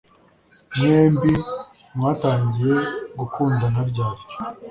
Mwembi mwatangiye gukundana ryari